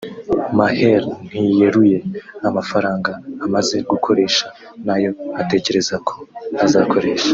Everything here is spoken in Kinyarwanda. Maher ntiyeruye amafaranga amaze gukoresha n’ayo atekereza ko azakoresha